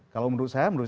kalau menurut saya